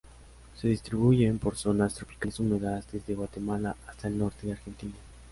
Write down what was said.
Se distribuyen por zonas tropicales húmedas, desde Guatemala hasta el norte de Argentina.